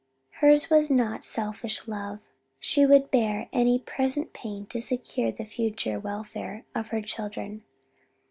Hers was not a selfish love; she would bear any present pain to secure the future welfare of her children.